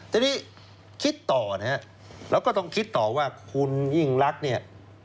ทีนี้คิดต่อนะครับแล้วก็ต้องคิดต่อว่าคุณยิ่งรักเนี่ย